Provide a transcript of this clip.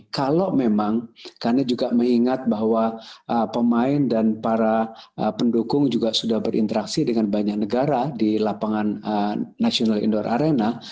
kalau memang karena juga mengingat bahwa pemain dan para pendukung juga sudah berinteraksi dengan banyak negara di lapangan national indoor arena